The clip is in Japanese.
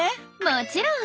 もちろん！